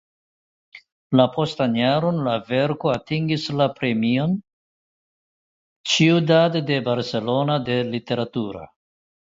La postan jaron la verko atingis la Premion "Ciudad de Barcelona de literatura".